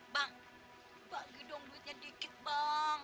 bang bagi dong duitnya dikit bang